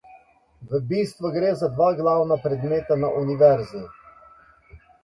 V bistvu gre za dva glavna predmeta na univerzi.